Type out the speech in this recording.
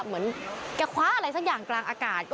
เหมือนแกคว้าอะไรสักอย่างกลางอากาศ